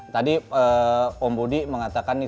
tadi om budi mengatakan